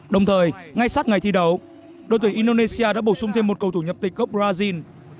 đồng thời ngay sát ngày thi đấu đội tuyển indonesia đã bổ sung thêm một cầu thủ nhập tịch gốc brazil